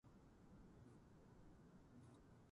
美しい髪のたとえ。